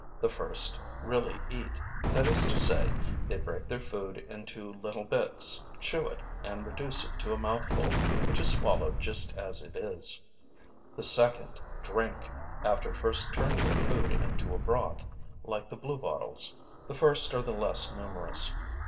The first really eat, that is to say, they break their food into little bits, chew it and reduce it to a mouthful which is swallowed just as it is; the second drink, after first turning their food into a broth, like the bluebottles. The first are the less numerous.